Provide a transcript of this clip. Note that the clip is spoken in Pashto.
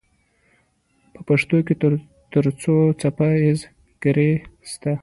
په پښتو کې تر څو څپه ایزه ګړې سته؟